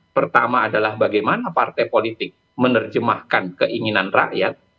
pertama adalah bagaimana partai politik menerjemahkan keinginan rakyat